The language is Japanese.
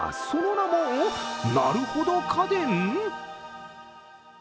その名も、なるほど家電？